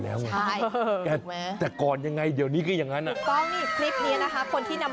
แล้วเมื่อวานตัวเองมีเงินอยู่กี่บาทในกระเป๋า